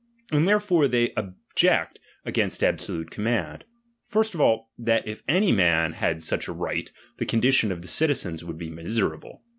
And therefore they ob ject against absolute command : first, that if any man had such a right, the condition of the citizens would be miserable.